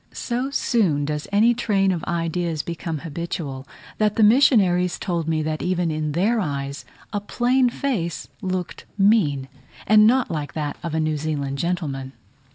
So soon does any train of ideas become habitual, that the missionaries told me that even in their eyes a plain face looked mean, and not like that of a New Zealand gentleman.